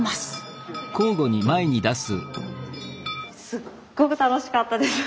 すっごく楽しかったです。